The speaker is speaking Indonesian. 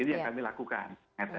ini yang kami lakukan